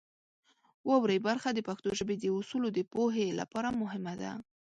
واورئ برخه د پښتو ژبې د اصولو د پوهې لپاره مهمه ده.